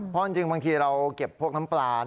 เพราะจริงบางทีเราเก็บพวกน้ำปลา